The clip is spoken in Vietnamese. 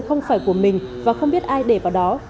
không phải của mình và không biết ai để vào đó